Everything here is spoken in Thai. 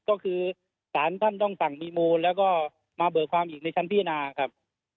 ก็คือสารท่านต้องสั่งมีมูลแล้วก็มาเบิกความอีกในชั้นพิจารณาครับ